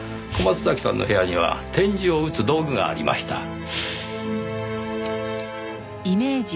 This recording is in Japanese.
小松崎さんの部屋には点字を打つ道具がありました。